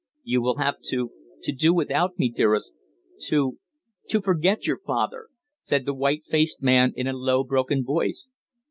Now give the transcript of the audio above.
"You will have to to do without me, dearest to to forget your father," said the white faced man in a low, broken voice.